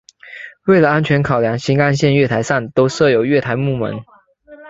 为了安全考量新干线月台上都设有月台幕门。